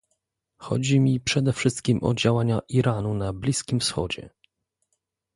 Chodzi mi przede wszystkim o działania Iranu na Bliskim Wschodzie